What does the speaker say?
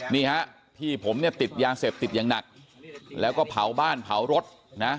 นี่ฮะพี่ผมเนี่ยติดยาเสพติดอย่างหนักแล้วก็เผาบ้านเผารถนะ